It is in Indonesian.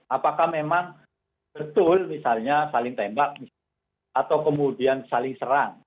apakah memang betul misalnya saling tembak atau kemudian saling serang